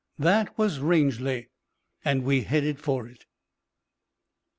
That was Rangely; and we headed for it.